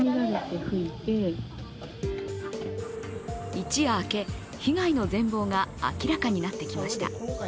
一夜明け、被害の全貌が明らかになってきました。